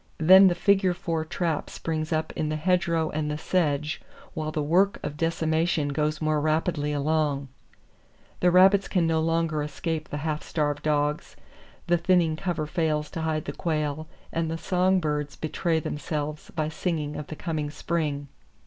Then the figure four trap springs up in the hedgerow and the sedge while the work of decimation goes more rapidly along. The rabbits can no longer escape the half starved dogs, the thinning cover fails to hide the quail and the song birds betray themselves by singing of the coming spring.